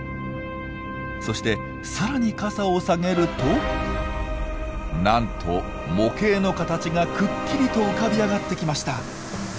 そして更に傘を下げるとなんと模型の形がくっきりと浮かび上がってきました！